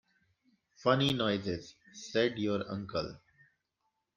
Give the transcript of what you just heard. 'Funny noises,' said your uncle.